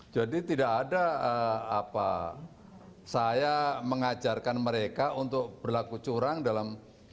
jadi tidak ada apa saya mengajarkan mereka untuk berlaku curang dalam